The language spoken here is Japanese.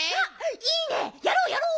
いいねやろうやろう！